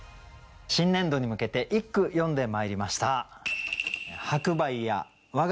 新年度に向けて一句詠んでまいりました。